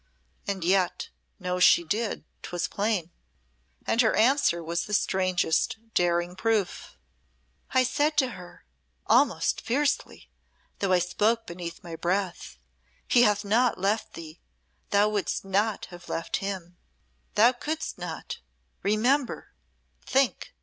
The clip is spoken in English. And yet, know she did, 'twas plain. And her answer was the strangest, daring proof. "I said to her almost fiercely, though I spoke beneath my breath, 'He hath not left thee: Thou wouldst not have left him. Thou couldst not. Remember! Think!